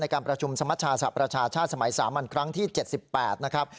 ในการประชุมสมัชฌาสัตว์ประชาชาสมัย๓อันครั้งที่๗๘นะครับ